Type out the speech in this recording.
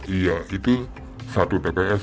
iya itu satu tps